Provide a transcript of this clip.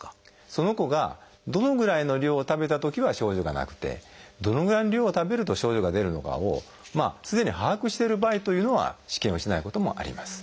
その子がどのぐらいの量を食べたときは症状がなくてどのぐらいの量を食べると症状が出るのかをすでに把握してる場合というのは試験をしないこともあります。